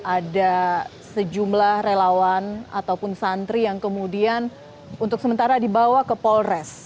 ada sejumlah relawan ataupun santri yang kemudian untuk sementara dibawa ke polres